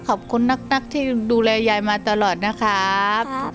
ขอบคุณนักที่ดูแลยายมาตลอดนะครับ